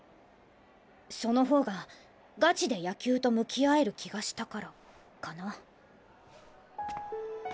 その方がガチで野球と向き合える気がしたからかな。